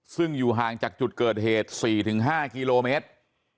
ซึ่งอยู่ห่างจากจุดเกิดเหตุ๔๕กิโลเมตร